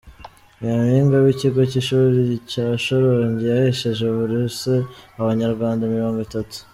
Nyaminga wikigo Kishuri Cyashyorongi yahesheje buruse Abanyarwanda Mirongo Itatu